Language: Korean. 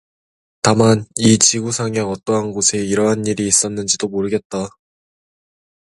다만, 이 지구상의 어떠한 곳에 이러한 일이 있었는지도 모르겠다.